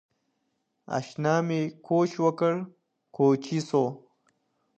اشنا مي کوچ وکړ کوچي سو!